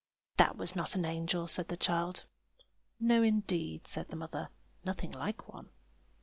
"That was not an angel!" said the child. "No, indeed!" said the mother. "Nothing like one!"